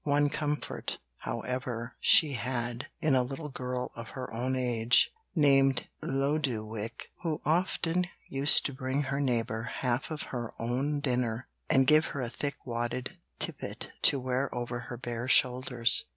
One comfort, however, she had, in a little girl of her own age, named Lodowick, who often used to bring her neighbour half of her own dinner, and gave her a thick wadded tippet to wear over her bare shoulders.